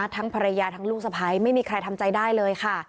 ทั้งภรรยาทั้งลูกสะพ้ายไม่มีใครทำใจได้เลยค่ะ